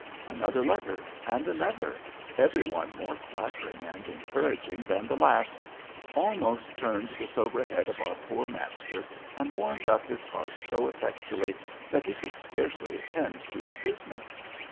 Another letter and another, every one more flattering and encouraging than the last, almost turned the sober head of our poor master, and warmed up his heart so effectually that he could scarcely attend to his business.